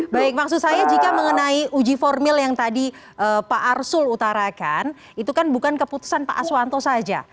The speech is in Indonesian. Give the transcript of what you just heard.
baik maksud saya jika mengenai uji formil yang tadi pak arsul utarakan itu kan bukan keputusan pak aswanto saja